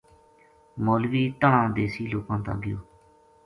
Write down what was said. مولوی تنہاں دیسی لوکاں تا گیو